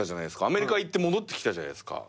アメリカ行って戻ってきたじゃないっすか。